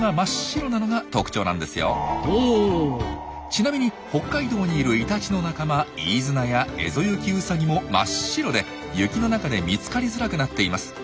ちなみに北海道にいるイタチの仲間イイズナやエゾユキウサギも真っ白で雪の中で見つかりづらくなっています。